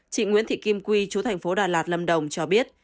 chị nguyễn thị kim quy chú thành phố đà lạt lâm đồng cho biết